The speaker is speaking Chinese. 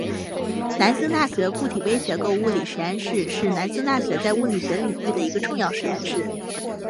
南京大学固体微结构物理实验室是南京大学在物理学领域的一个重要实验室。